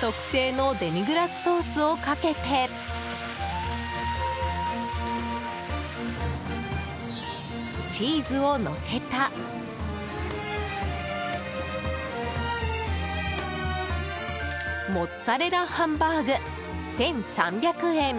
特製のデミグラスソースをかけてチーズをのせたモッツァレラハンバーグ１３００円。